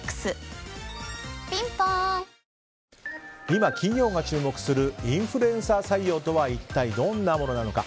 今、企業が注目するインフルエンサー採用とは一体どんなものなのか。